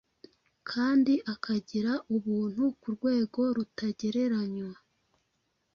kandi akagira ubuntu ku rwego rutagereranywa